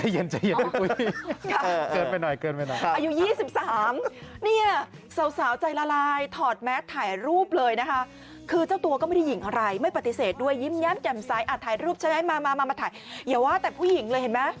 อย่าว่าแต่ผู้หญิงเลยเห็นไหม